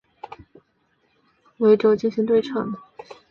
对称矩阵中的右上至左下方向元素以主对角线为轴进行对称。